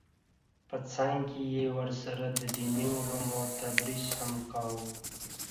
په څنګ کې یې ورسره د دیني علومو تدریس هم کاوه